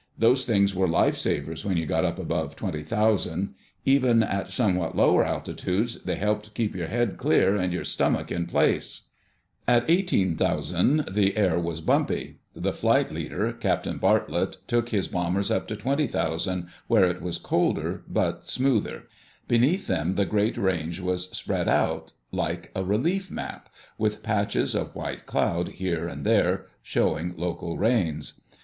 Those things were lifesavers when you got up above 20,000. Even at somewhat lower altitudes they helped keep your head clear and your stomach in place. At 18,000 the air was bumpy. The flight leader, Captain Bartlett, took his bombers up to 20,000, where it was colder but smoother. Beneath them the great range was spread out like a relief map, with patches of white cloud here and there showing local rains.